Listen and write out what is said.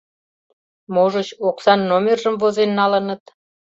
Можыч, оксан номержым возен налыныт.